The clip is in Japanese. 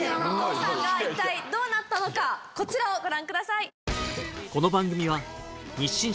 一体どうなったのかこちらをご覧ください。